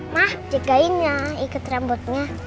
mah jagainnya ikat rambutnya